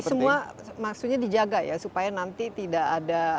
ini semua maksudnya dijaga ya supaya nanti tidak ada